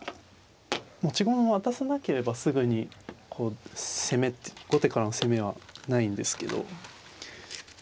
持ち駒を渡さなければすぐに後手からの攻めはないんですけど。